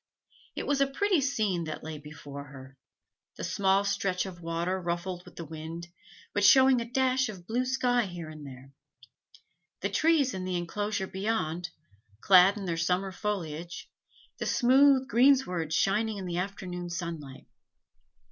It was a pretty scene that lay before her the small stretch of water ruffled with the wind, but showing a dash of blue sky here and there the trees in the inclosure beyond, clad in their summer foliage, the smooth greensward shining in the afternoon sunlight.